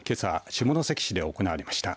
下関市で行われました。